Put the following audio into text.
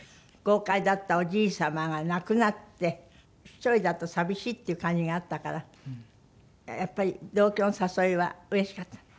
豪快だったおじい様が亡くなって１人だと寂しいっていう感じがあったからやっぱり同居の誘いはうれしかった？